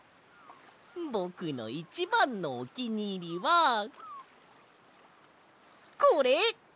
ぼくのいちばんのおきにいりはこれ！